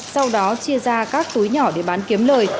sau đó chia ra các túi nhỏ để bán kiếm lời